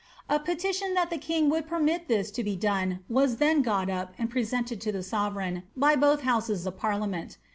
A petition that the king: would permit this to be done was then fot up ana presented to the sovereign by both houses of parliament.